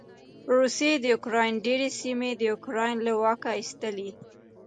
روسې د يوکراین ډېرې سېمې د یوکراين له واکه واېستلې.